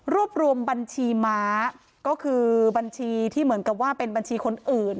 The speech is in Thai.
รวมบัญชีม้าก็คือบัญชีที่เหมือนกับว่าเป็นบัญชีคนอื่น